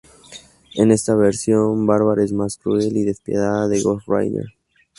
En esta versión, Barbara es más cruel y despiadada que Ghost Rider.